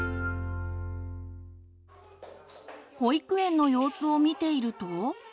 保育園の様子を見ていると。